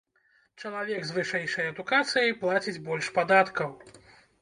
Чалавек з вышэйшай адукацыяй плаціць больш падаткаў.